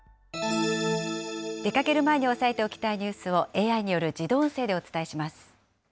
出かける前に押さえておきたいニュースを、ＡＩによる自動音